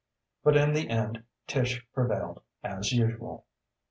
But in the end Tish prevailed, as usual.